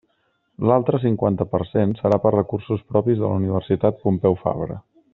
L'altre cinquanta per cent serà per recursos propis de la Universitat Pompeu Fabra.